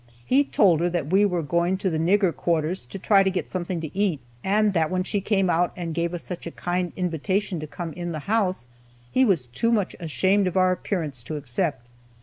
He told her that we were going to the nigger quarters to try to get something to eat, and that when she came out and gave us such a kind invitation to come in the house, he was too much ashamed of our appearance to accept.